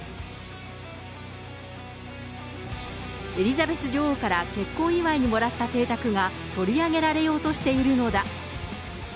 エリザベス女王から結婚祝いにもらった邸宅が取り上げられようとしているのだ。